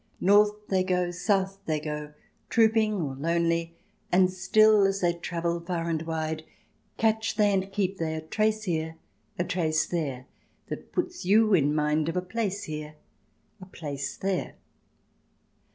North they go, South they go, trooping or lonely, And still as they travel far and wide, Catch they and keep they a trace here, a trace there, That puts you in mind of a place here, a place there.